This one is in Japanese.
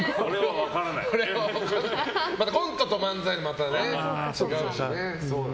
コントと漫才のね、違うしね。